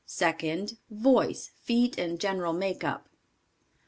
2d, voice, feet and general make up.